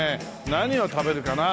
何を食べるかな。